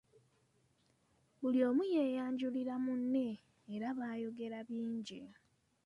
Buli omu yeeyanjulira munne era baayogera bingi.